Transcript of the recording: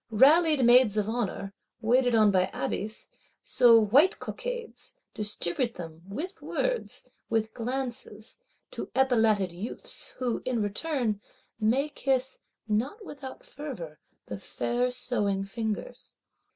Rallied Maids of Honour, waited on by Abbés, sew "white cockades;" distribute them, with words, with glances, to epauletted youths; who in return, may kiss, not without fervour, the fair sewing fingers.